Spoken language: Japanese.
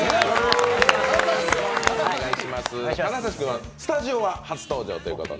金指君はスタジオは初登場ということで。